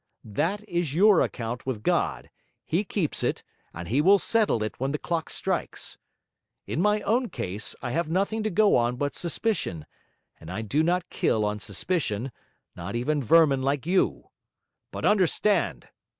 That is your account with God, He keeps it, and He will settle it when the clock strikes. In my own case, I have nothing to go on but suspicion, and I do not kill on suspicion, not even vermin like you. But understand!